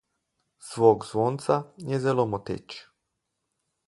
Zvok zvonca je zelo moteč.